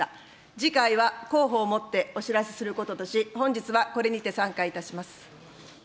次回は公報をもってお知らせすることとし、本日はこれにて散会いたします。